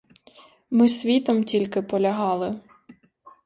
Ми світом тільки полягали.